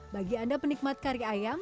bagi anda penikmat kari ayam